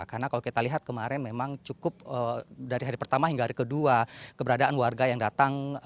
karena kalau kita lihat kemarin memang cukup dari hari pertama hingga hari kedua keberadaan warga yang datang